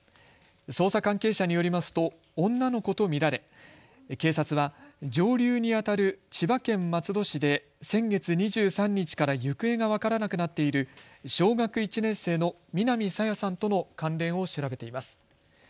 捜査関係者によりますと女の子と見られ、警察は上流にあたる千葉県松戸市で先月２３日から行方が分からなくなっている小学１年生の南朝芽さんとの関連を調べています。